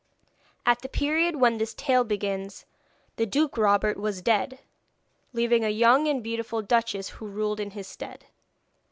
At the period when this tale begins the Duke Robert was dead, leaving a young and beautiful duchess who ruled in his stead.